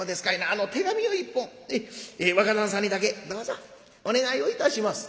あの手紙を１本若旦さんにだけどうぞお願いをいたします」。